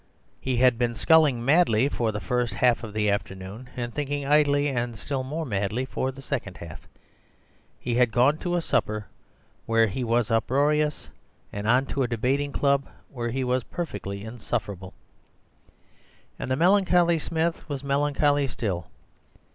He had been sculling madly for the first half of the afternoon and thinking idly (and still more madly) for the second half. He had gone to a supper where he was uproarious, and on to a debating club where he was perfectly insufferable, and the melancholy Smith was melancholy still.